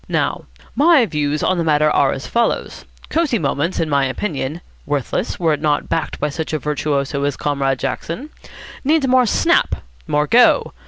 Now, my views on the matter are as follows. Cosy Moments, in my opinion (worthless, were it not backed by such a virtuoso as Comrade Jackson), needs more snap, more go.